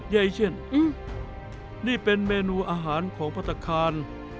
เย้อีเชี่ยนนี่เป็นเมนูอาหารของพัตตาคาร